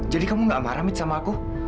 jadi kamu gak marah mit sama aku